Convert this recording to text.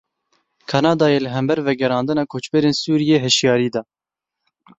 Kanadayê li hember vegerandina koçberên Sûriyê hişyarî da.